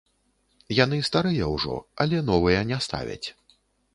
Яны старыя ўжо, але новыя не ставяць.